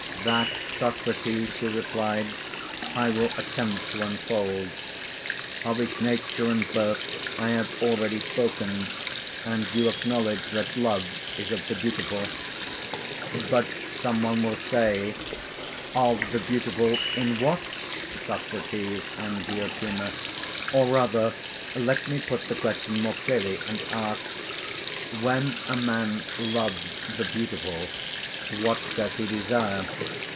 'That, Socrates,' she replied, 'I will attempt to unfold: of his nature and birth I have already spoken; and you acknowledge that love is of the beautiful. But some one will say: Of the beautiful in what, Socrates and Diotima? or rather let me put the question more clearly, and ask: When a man loves the beautiful, what does he desire?'